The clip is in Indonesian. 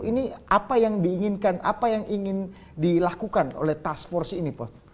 ini apa yang diinginkan apa yang ingin dilakukan oleh task force ini